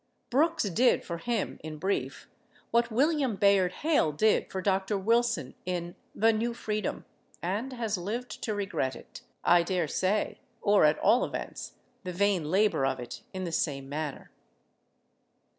Brooks did for him, in brief, what William Bayard Hale did for Dr. Wilson in "The New Freedom," and has lived to regret it, I daresay, or at all events the vain labor of it, in the same manner....